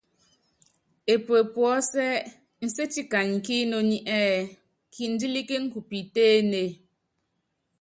Epue puɔ́sɛ́ nséti kanyi kí inoní ɛ́ɛ́: Kindílíkíni ku piitéénée.